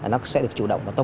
nó sẽ được chủ động và tốt hơn